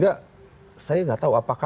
saya berharap penyelenggara mengantisipasi ini